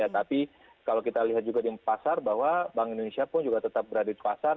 tapi kalau kita lihat juga di pasar bahwa bank indonesia pun juga tetap berada di pasar